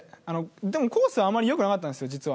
でもコ―スはあまりよくなかったんですよ実は。